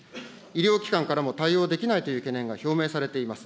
医療機関からも対応できないという懸念が表明されています。